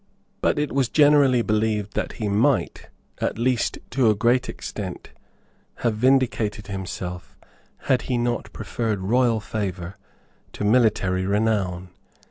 But it was generally believed that he might, at least to a great extent, have vindicated himself, had he not preferred royal favour to military renown.